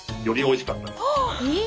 え！